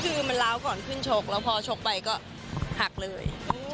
คือมันราวก่อนขึ้นโปรชนชกและพอโฉะไปก็หักเลย